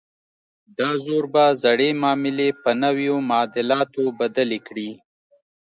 دا زور به زړې معاملې په نویو معادلاتو بدلې کړي.